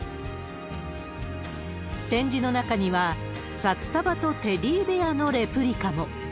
展示の中には、札束とテディベアのレプリカも。